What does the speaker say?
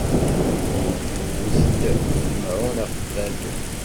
Newwet-d lemɛun ɣef berru.